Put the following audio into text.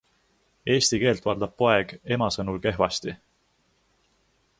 Eesti keelt valdab poeg ema sõnul kehvasti.